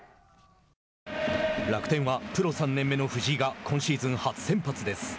楽天はプロ３年目の藤井が今シーズン初先発です。